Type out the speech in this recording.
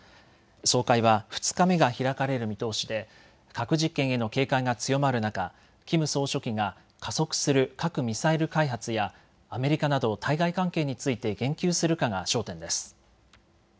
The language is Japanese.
総会は２日目が開かれる見通しで核実験への警戒が強まる中、キム総書記が加速する核・ミサイル開発やアメリカなど対外関係について言及するかが焦点です。